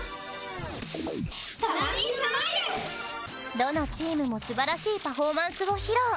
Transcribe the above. どのチームもすばらしいパフォーマンスを披露。